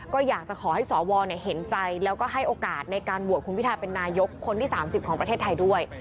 ก็อยากจะขอให้สวเห็นใจแล้วก็ให้โอกาสในการโหวตคุณพิทาเป็นนายกคนที่๓๐ของประเทศไทยด้วย